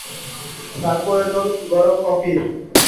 তাঁর প্রয়োজন গরম কফির।